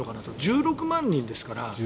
１６万人ですから。